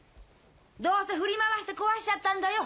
どうせ振り回して壊しちゃったんだよ。